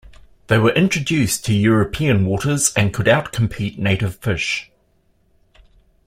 They were introduced to European waters, and could outcompete native fish.